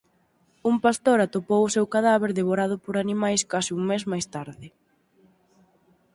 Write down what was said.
Un pastor atopou o seu cadáver devorado por animais case un mes máis tarde.